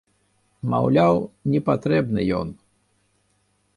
Маўляў, не патрэбны ён.